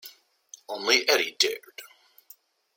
Only Eddie dared.